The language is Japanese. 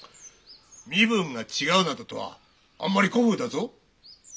身分が違うなどとはあんまり古風だぞ。